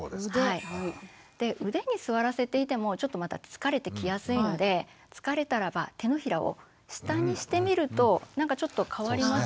で腕に座らせていてもちょっとまた疲れてきやすいので疲れたらば手のひらを下にしてみるとなんかちょっと変わります？